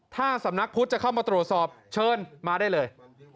ถ้าสำนักพุทธจะเข้ามาตรวจสอบเชิญมาได้เลย